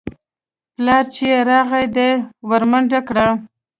پلار چې يې راغى ده ورمنډه کړه.